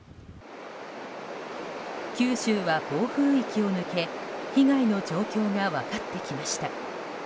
九州は暴風域を抜け被害の状況が分かってきました。